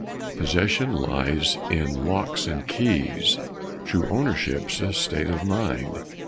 Possession lies in locks and keys; True ownership's a state of mind.